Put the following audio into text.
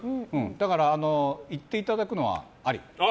だから行っていただくのはあり。